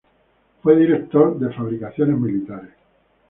Fue director de Fabricaciones Militares.